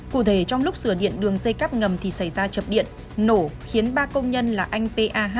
cụ thể trong lúc sửa điện đường dây cáp ngầm thì xảy ra chập điện nổ khiến ba công nhân là anh p a h